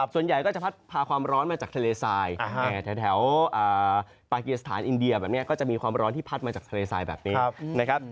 ส่วนใหญ่ก็จะพัดพาความร้อนมาจากทะเลทรายแถวปากีสถานอินเดียแบบนี้ก็จะมีความร้อนที่พัดมาจากทะเลทรายแบบนี้นะครับ